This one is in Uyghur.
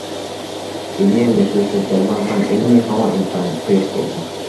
ئىدىيە مىسلىسىز جانلانغان، ئىلمى ھاۋا ئىنتايىن قويۇق بولغان.